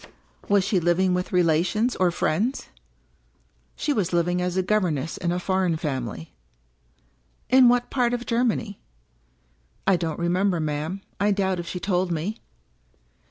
" Was she living with relations or friends ?"" She was living as governess in a foreign family." " In what part of Germany ?"" I don't remember, ma'am. I doubt if she told me."